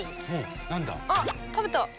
あっ食べた！